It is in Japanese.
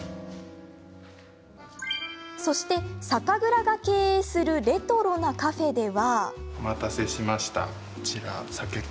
そして、酒蔵が経営するレトロなカフェでは。